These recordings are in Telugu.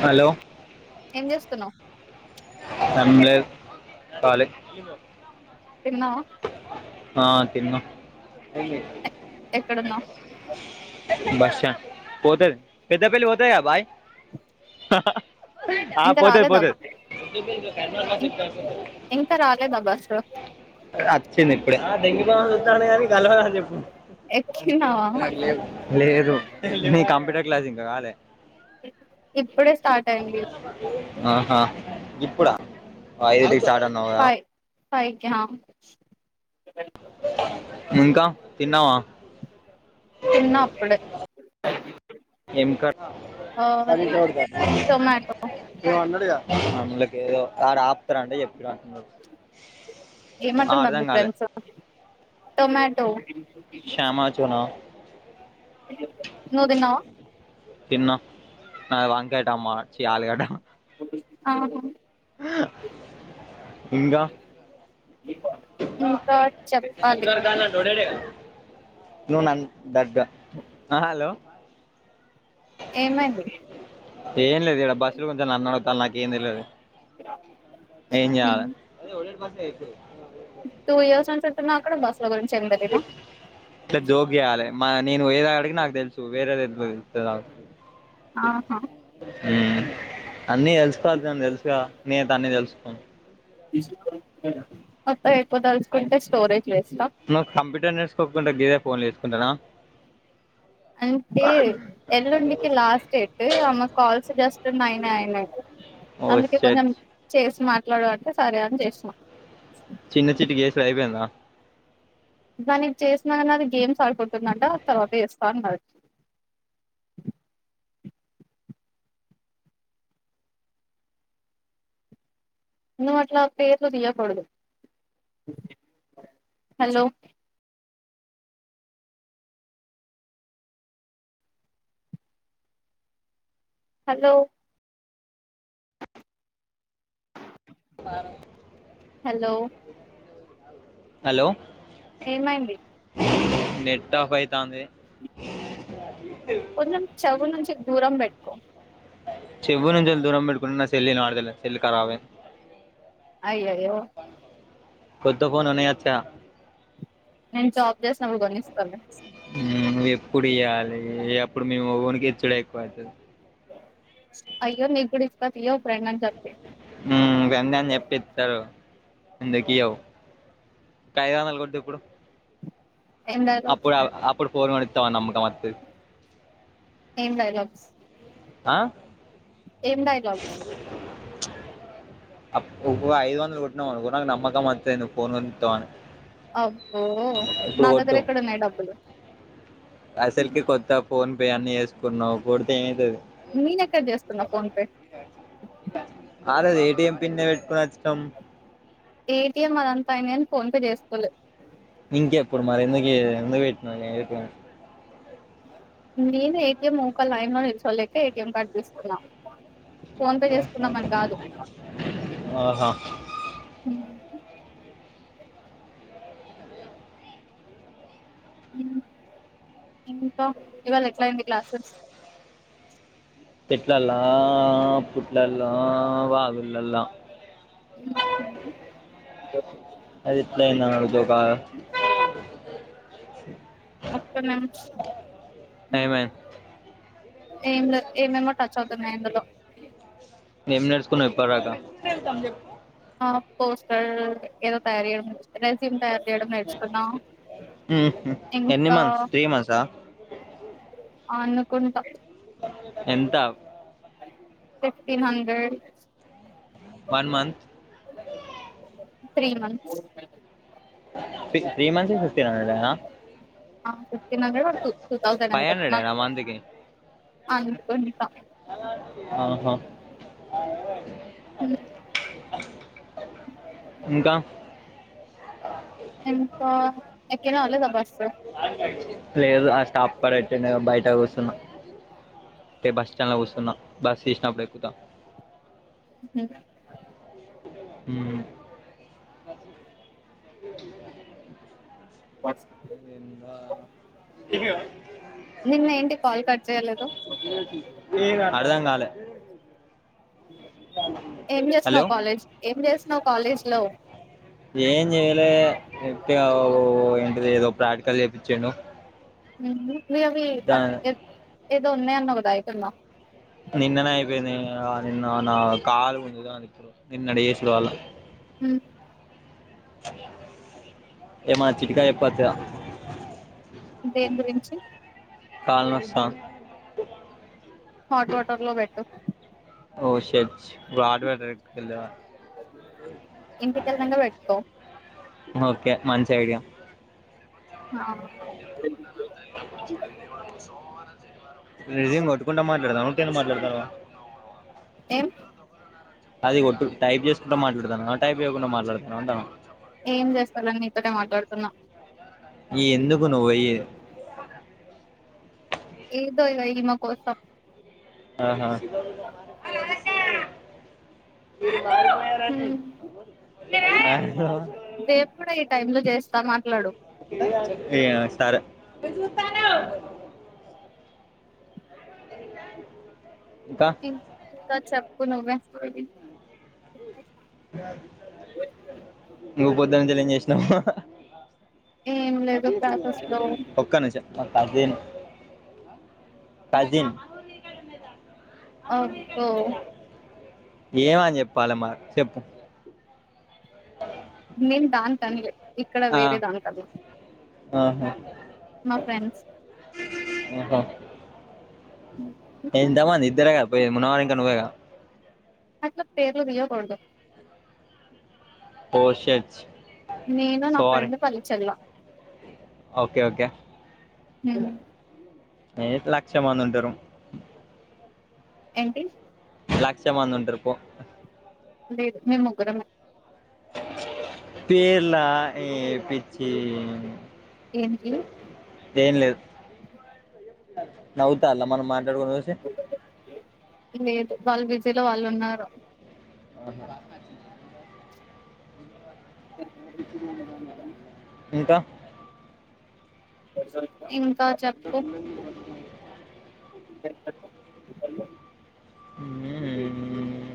హలో ఏం చేస్తున్నావ్ నమ్ల కాలే తిన్నావా తిన్న ఎక్కడున్నావ్ పోలేదు క్యా పెద్ద పెళ్లి పోతలేదా భాయ్ హహ ఆ ఇంకా పోతే రాలేదా పోలేదు ఇంకా రాలేదా బస్సు అచ్చింది ఇప్పుడే దేంగి పోదామని చూస్తాడ్రు కానీ చెప్ప ఎక్కినావా లేదు లేదు న కంప్యూటర్ క్లాస్ ఇంకా కాలే ఇప్పుడే స్టార్ట్ అయింది ఆ ఆ ఇప్పుడ ఐదు స్ చటా న ఫైవ్ ఫైవ్ కా ఇంకా తిన్నావా తిన్నా అప్పుడే ఏకా ఆ టొమాటో అన్నడుగ కి ఏదో ఆడ ఆపుతారు అంటే ఆ ఏమంటుందండి అర్థం కాలే ఫ్రెండ్స్ టొమాటో శ్యామ చునా నువ్ తిన్నావా? తిన్నా నాది వంకాయ టమా చి ఆలుగడ్డ. అహ ఇంకా చెప్పాలి ఉ ఆ హలో ఏమైంది? ఏం లేదు ఇడ బస్సులు కొ నన్న నాకేం తెలువది ఎం చేయాలె యితే టూ ఇయర్స్ నుంచి ఉంటున్నావు అక్కడ బస్సుల గురించి ఏం తెలీదా ఇలా జోక్ చెయ్యాలె మా నేను ఏదొ కి నాకు తెలుసు వేరేది అయితే తెలువదు ఇత్తది అగు ఆహా మ్ అన్నీ తెలుసుకోవద్దని తెలుసు గ నేనైతే అన్ని తెలుసుకోను మొత్త ఎక్కువ తెలుసుకుంటే స్టోరేజ్ వేస్ట్ ఆ నువ్ కంప్యూటర్ నేర్చకోకుండ గీదే ఫోన్లుచెసుకుంటావా అంటే ఎల్లుండికి లాస్ట్ డేట్ ఆమ్మో కాల్స్ జస్ట్ నైనె అయినాయి ఓ అందుకే షట్ కొంచెం చేసి మాట్ ట్లాడు అంటే సరే అని చేసిన చిన్న చిటికేసుడు అయిపోయింద దానికి చేసినకన్నా అది గేమ్స్ ఆడుకుతుందంట తర్వాత చేస్తా అన్నది నువ్ అట్లా పేర్లు తీయకూడదు హలో హలో హలో హలో ఏమైంది నెట్ ఆఫ్ అయితాంది కొంచెం చెవు నుంచి దూరం పెట్ట్ కొ [unintelligible] చెవు నుంచి దూరం పెట్టుకుంటే నా సెల్ వినపడుతలే సెల్ కరాబ్ అయిది అయ్యయో కొత్త ఫోన్ కొనియ్యొచ్చు గా నేను జాబ్ చేసినప్పుడు కొనిస్త లే నువు ఎప్పుడు ఇయ్యాలి అప్పుడు మీ మొగోనికి ఇచ్చుడే ఎక్కువైతది అయ్యో నీకు కూడా ఇస్త తియ్యి ఫ్రెండ్ అని చెప్పి ఇవన్నీ అని చెప్పి ఇస్తారు ఎందుకు ఇయ్యవు ఒక ఐదు వందలు కొట్టు ఇప్పుడు ఏం డైలాగ్స్ అప్పుడు ఇప్పుడు పోన్ వాడిత్తవ నమ్మక మొత్తది ఏం డైలాగ్స్ ఏం డైలాగ్స్ ఐదు వందలు కొట్టినవనుకో నాకు నమ్మకం మాత్ర అయి ఫోన్వా [inaudible] అబ్బో నాదగ్గర ఎక్కడున్నాయి డబ్బులు అసలుకి కొత్త ఫోన్ పే అన్ని ఏసుకున్నావ్ కొడితే ఏమయితది నేనెక్కడ చేస్తున్నా ఫోన్పే కాలేదు ఏటిఎం పిన్నే పెట్టుకుని వచ్చినాం ఏటీఎం అదంతా అయింది గాని ఫోన్ పే చేసుకోవలేదు ఇంకే ఇప్పుడు మరి ఎందుకే ఎంత [inaudible] నేను ఏటీఎం ఒకా లైన్ లో నిల్చోలేక ఏటీఎం కార్డు తీసుకున్నా ఫోన్ పే చేసుకుందాం అని కాదు ఓహ ఆహా ఇంకా ఇవాళ ఎట్లా అయింది క్లాసెస్ పెట్లలా పట్లలా వాగులలా [unintelligible] అది ఎట్లానాదు కా ఒక్కన్నామ్ ఏమైంది ఏం లే ఏమేమో టచ్ అవుతున్నాయి ఇందులో మేం నేర్చుకున్నాం ఇప్పడు రాకా ఆ పోస్టర్ ఏదో తయారీ రెజ్యూమ్ తయార ఎన్నిన్ని ఇంకా మంత్స్ త్రీ మంత్స్ఆ అనుకుంటాం ఎంత fifteen hundred one month three months ఫ త్రీ మంత్స్ ఫిఫ్టీన్ హండ్రెడ్ ఆ [unintelligible] ట థౌజండ్ ఫైవ్ అంత మ హండ్రెడేనా మంత్కి అనుకుంట్ట ఆహా ఇంకా ఎంత ఎకేనా అలాబస్తంది లేదు ఆ స్టాప్ పడ బయట వస్తున్నా అే బస్ స్టాండ్లో కూస్తున్నా బస్ తీసినప్పుడు ఎక్కుతాం హ్మ్ హు వ ఏ నిన్న ఏంటి కాల్ కట్ చేయలేదు అర్థం కాలే ఏం హలో చేసినావు కాలేజ్ ఏం చేసినావు కాలేజ్ లో ఏం చెయాల సెప్పి ఏంటది ఏదో ప్రటకాలు చేయిించాండు ఉ మీ అవి ఎ ఏదన్నా అన్న ఉదాయిటింద నిన్ననే అయిపోయేది నిన్న నా కా అ నిన్నయే కాలే హమ్ ఏ మా చటికాయ ఎప్పత ఇ దేని గురించి తాల నస్తది హాట్ వాటర్ లో పెట్టు ఓ షర్ట్ నువ్ ఆర్డివేర్ డ్రగ్కెల్లవ ఇంటికెళ్ళినంక పెట్టుకో ఓకే మంచి ఐడియా ఆ నువ్ నిజం కొట్టుకుంట మాట్లాడాదమ్ కెన్ మాట్లాడతావా ఏం అది గొట్టు టైప్ చేసుకుంటూ మాట్లాడతాండవా టైప్ చేయ్యకుండా మాట్లాడుతండవా అంటాన్న ఏం చేస్తాలేను నీతోటే మాట్లాడుతున్నా ఈ ఎందుకు నువ్ వైయే అదా ఇందో ఇగ ఈమె కోసం ఆహా మ చే రేపు కూడా ఈ టైమ్ లో చేస్తా మాట్లాడు ఏ సరా ఇప్పు చూతానా ఇకా ఇం ఇంకా చెప్ప ప్పు నువ్వే నువ్వు పొద్దనితలనుండి ఏం చేసినావు ఏం లేదు క్లాసెస్ లో ఒక్క నామ్ మా కజిన్ కజిన్ ఓ ఓ ఏమని చెప్పాలమ్మా చెప్పు నేను దానికిఅన్లే ఇక్కడ ఆ, వేరే దానికన్న ఆహా మా ఫ్రెండ్స్ ఆహా. ఎంతమంది ఇద్దరే గా పోయేది మున్నాగాడు ఇంకా నువ్వే గా అట్లా పేర్లు పిలవకూడదు ఓ షేట్ నేను నా ఫ్రెండ్ పల్లిచర్ల ఓకే ఓకే ఏ లక్షం మంది ఉంటారు ఏంటి లక్షా మంది ఉంటారు పో లేదు మేం ముగ్గరమే పేర్లా ఏ పిచ్చే ఎనికి ఏం లేదు నవ్వుతాళ్ల మనం మా లేదు వాళ్ళు బిజ్ లో వాళ్ళు ఉన్నారు అహ చ్చ మ ఇంకా ఇం [inaudible] [unintelligible] ఉమ్మ్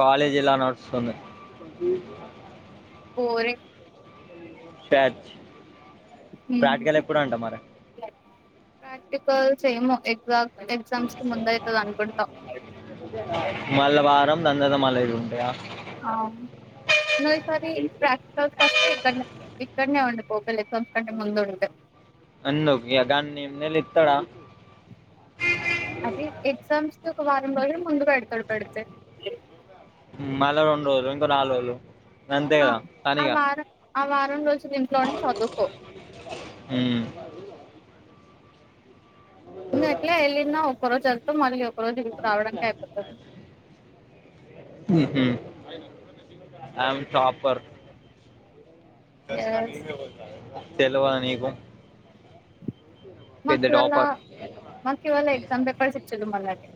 కాలేజీ ఎలా నడుస్తుంది కోరే ఫ్యాచ్ ప్రాక్టికల్ ఎప్పుడంటా మరి ప్రాక్టికల్స్ ఏమో ఎగ్జామ్ ఎగ్జామ్స్ కి ముందయితది అనుకుంటా థాంధదా మల్ల ఇగుంటాయా ఆ ఇంగో ఈసారి ప్రాక్టికల్స్ వస్తే ఇక్కన్నే ఇక్కడనే ఉండిపో ఒకేలా ఎగజామ్స్ కంటే ముందు ఉంటే అన్న వ్య గన్ని ఎంల్ ఇత్తడా అదే ఎక్సామ్స్కి ఒక వారం రో ముందు పెడుతడుపెడితే రో ఇంకో నాలు రోజులు అంతే ఆ కదా ఆ పనిగా వారం ఆ వారం రోజు ఇంట్లోండి చదువుకో ఇంగ ఎట్లా వెళ్ళిన్నో ఒక్క రోజెల్తావ్ మళ్ళీ ఒక రోజు ఇడికి రావడానికి అయిపోతది ఉమ్ ఐయామ్ టాపర్ కష్ కానీ ఎస్ ఇ బత తెలివ నీకు పెద్ద మాకు ఇవాళ టాపర్ మాకు ఇవాళ ఎగ్జామ్ పేపర్స్ ఇచ్చిళ్ళు మొన్నటి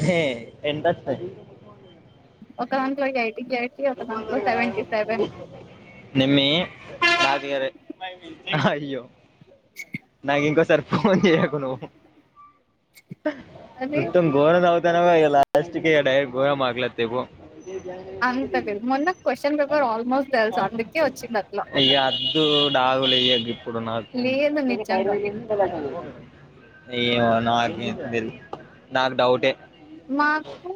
హే ఎంతత్త ఒకదాంట్లో యయ్ నిమ్మి రాజుగారే అయ్యో నాక్ ఇంకోసర్ పో న్ చెయ్యకు నువ్వు అది మొత్తం గోరగా చదువు తనవ్గా ఎగ లాస్ట్ కి ఇగ డైర్ గోరంగా మార్కులు అత్తయి పో అంత లేదు మొన్న క్వశ్చన్ పేపర్ ఆల్మోస్ట్ తెలుసు అందుకే వచ్చింది అట్లా ఇగద్దు డాగులేయ్యకు గిప్పుడు నాకు లేదు నిజంగా ఏమో నాకైతే దెల్ నాకు డౌటే మాకు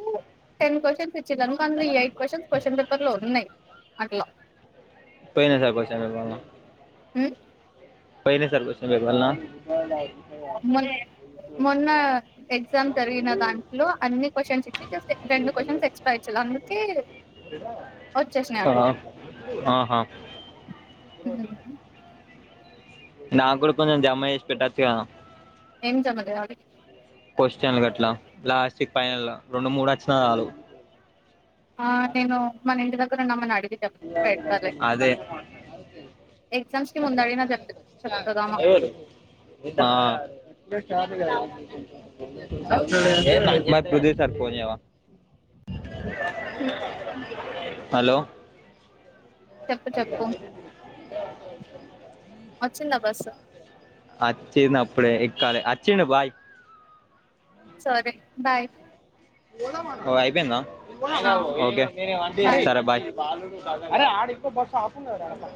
టెన్ కో టైప్ చి అ ఈ ఎయిట్ క్వశ్చన్స్ క్వశ్చన్ పేపర్ లో ఉన్నాయి అట్లా పోయినా [unintelligible] ఉ పోైనే సార్కుషం బవల్నా ఆ మొన్ మొన్న ఎగ్జామ్ జరిగిన దాంట్లో అన్ని క్వశ్చన్స్ ఇచ్చి జస్ట్ రెండు క్వశ్చన్స్ ఎక్స్ట్రా ఇచ్చిళ్ళు అందుకే వచ్చేసినాయి అట్లా ఆహా హ్మ్. నా కూడా కొంచెం జమ్మ చేసి పెట్టచ్చ ఏం జమ చేయాలి క్వశ్చన్ గట్లా లాస్ట్ పైన రెండు మూడు వచ్చిన చాలు ఆ నేను మన ఇంటి ద [unintelligible] అది అదే ఎగ్జామ్స్ కి ముందు అడిగినా చెప్ చెప్తదామా ఎరు ఆ మ పృద సార్ఫోని ఏవా [unintelligible] హలో చెప్పు చెప్పు [unintelligible] [unintelligible] వచ్చిందా బస్ అచ్చిన్న అప్పుడే ఎక్కాలే ఆచిండు బాయ్ సరే బాయ్ ఓ అయిపోయి ఆ ఓకే సరే బాయ్ అరే ఆడ ఇంకో బస్స పోయిందిరా